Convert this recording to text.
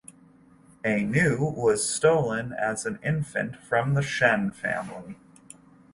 A Nu was stolen as an infant from the Shen family.